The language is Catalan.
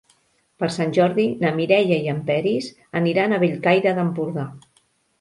Per Sant Jordi na Mireia i en Peris aniran a Bellcaire d'Empordà.